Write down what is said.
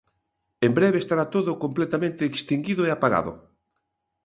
En breve estará todo completamente extinguido e apagado.